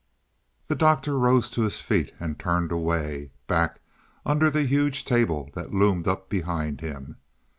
The Doctor rose to his feet and turned away, back under the huge table that loomed up behind him.